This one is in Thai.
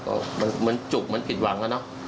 ก็เหมือนจุกเหมือนผิดหวังอะเนาะ